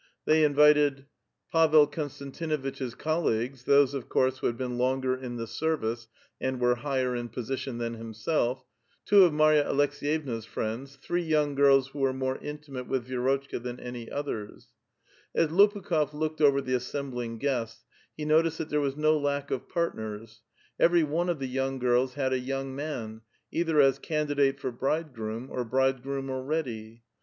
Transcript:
They invited M A VITAL QUESTION. Pavel Konstantiiniitrirs colleagues, — those, of course, who hiul beiMi longer in the service and were higher in position tlian hiinself, — two of Marvu Aleks^vevua's friends, three ^<>unu: «»:irlrt who were more intimate with Vi6rotchka than any otlions. As L())>ukhuf looked over the assembling guests, he noliciMl ihat there was no lack of partners (Jcavalyer) ; every one ()( the young girls had a young man, either as can<li<hile lor bridegroom or bridegroom already.